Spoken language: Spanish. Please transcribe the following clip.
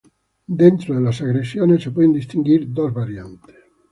Dentro de las agresiones se pueden distinguir dos variantes.